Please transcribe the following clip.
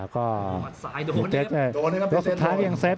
ครับ